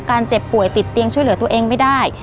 เจ็บป่วยติดเตียงช่วยเหลือตัวเองไม่ได้